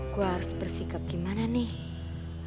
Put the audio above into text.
gue harus bersikap gimana nih